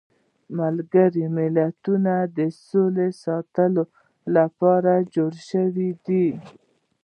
ملګري ملتونه د سولې ساتلو لپاره جوړ شویدي.